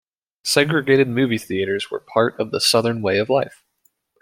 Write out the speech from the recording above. Segregated movie theaters were part of the southern way of life.